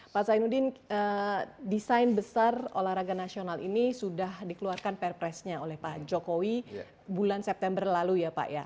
pak zainuddin desain besar olahraga nasional ini sudah dikeluarkan perpresnya oleh pak jokowi bulan september lalu ya pak ya